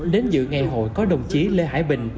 đến dự ngày hội có đồng chí lê hải bình